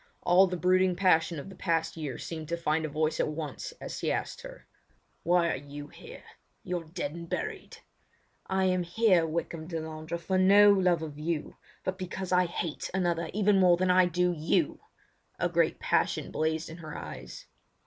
All the brooding passion of the past year seemed to find a voice at once as he asked her: "Why are you here? You're dead and buried." "I am here, Wykham Delandre, for no love of you, but because I hate another even more than I do you!" A great passion blazed in her eyes.